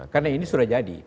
karena ini sudah jadi